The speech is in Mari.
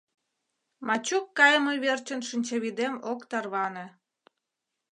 Мачук кайыме верчын шинчавӱдем ок тарване.